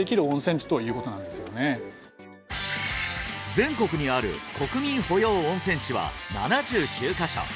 全国にある国民保養温泉地は７９カ所